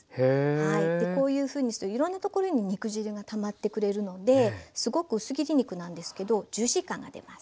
こういうふうにするといろんなところに肉汁がたまってくれるのですごく薄切り肉なんですけどジューシー感が出ます。